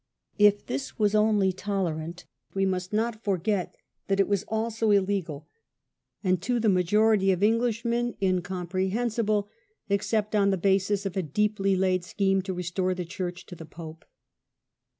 If this was only tolerant we must not forget that it was also illegal, and to the majority of Englishmen incomprehen sible, except on the basis of a deeply laid scheme to restore the church to the Pope.